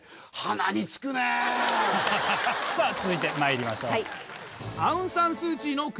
さぁ続いてまいりましょう。